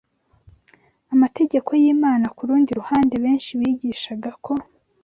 amategeko y’Imana Ku rundi ruhande, benshi bigishaga ko